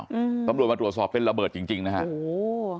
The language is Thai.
อืมตำรวจมาตรวจสอบเป็นระเบิดจริงจริงนะฮะโอ้โห